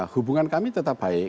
hubungan kami tetap baik